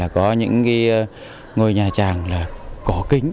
có những ngôi nhà tràng có kính